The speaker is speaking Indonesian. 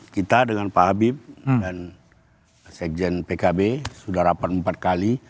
kita dengan pak habib dan sekjen pkb sudah rapat empat kali